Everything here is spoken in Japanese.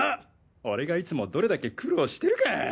俺がいつもどれだけ苦労してるか。